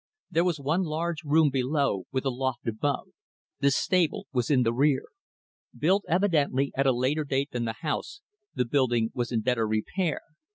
There was one large room below; with a loft above. The stable was in the rear. Built, evidently, at a later date than the house, the building was in better repair.